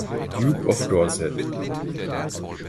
Duke of Dorset.